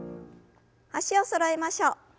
脚をそろえましょう。